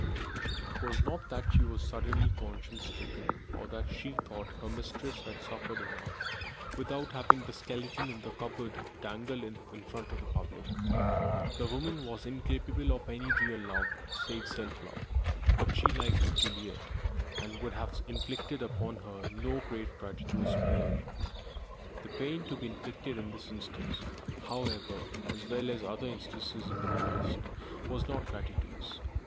It was not that she was suddenly conscience stricken, or that she thought her mistress had suffered enough without having the skeleton in the cupboard dangled in front of the public. The woman was incapable of any real love save self love, but she liked Juliet, and would have inflicted upon her no great gratuitous pain. The pain to be inflicted in this instance, however (as well as other instances in the past), was not gratuitous.